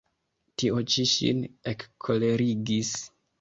Tio ĉi ŝin ekkolerigis.